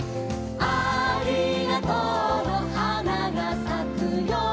「ありがとうのはながさくよ」